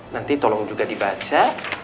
nanti tolong juga dibaca